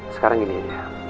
sekarang gini ya